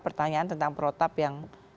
pertanyaan tentang protap yang